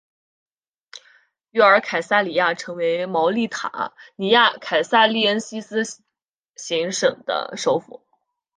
约尔凯撒里亚成为茅利塔尼亚凯撒利恩西斯行省的首府。